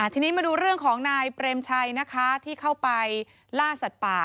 ทีนี้มาดูเรื่องของนายเปรมชัยนะคะที่เข้าไปล่าสัตว์ป่า